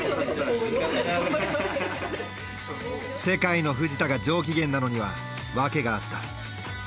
世界のフジタが上機嫌なのにはわけがあった。